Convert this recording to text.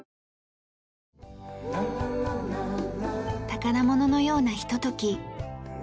宝物のようなひととき。